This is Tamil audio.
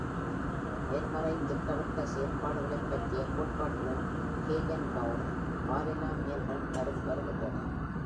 நேர்மறை-திட்டவட்ட செயல்பாடுகளைப் பற்றிய கோட்பாட்டிலும் கேகன்பௌவர் பாலினாமியல்கள் வருகின்றன.